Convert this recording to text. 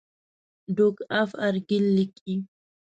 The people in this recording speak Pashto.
ډوک آف ارګایل لیکي.